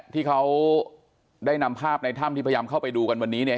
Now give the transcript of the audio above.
ที่เขาได้นำภาพในถ้ำที่พยายามเข้าไปดูกันวันนี้เนี่ย